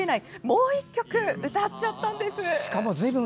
もう１曲、歌っちゃったんです。